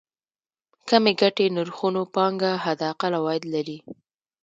کمې ګټې نرخونو پانګه حداقل عواید لري.